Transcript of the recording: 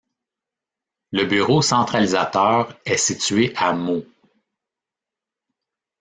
Le bureau centralisateur est situé à Meaux.